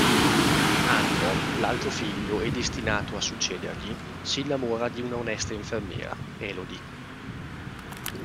Anton, l'altro figlio e destinato a succedergli, si innamora di una onesta infermiera, Elodie.